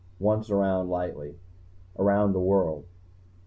Once around lightly. Around the world.